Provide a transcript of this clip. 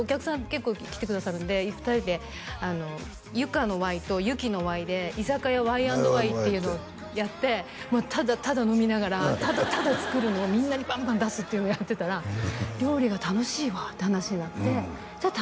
結構来てくださるんで２人で由夏のＹと由紀のＹで居酒屋Ｙ＆Ｙっていうのをやってもうただただ飲みながらただただ作るのをみんなにバンバン出すっていうのやってたら料理が楽しいわっていう話になってじゃあ